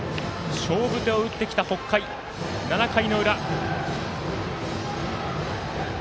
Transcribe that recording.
勝負手を打ってきた北海、７回裏。